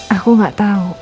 aku gak tau